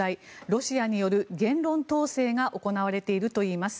ロシアによる言論統制が行われているといいます。